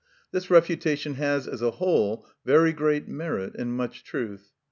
This refutation has as a whole very great merit and much truth.